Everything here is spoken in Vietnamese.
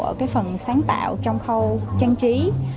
ở phần sáng tạo trong khâu trang trí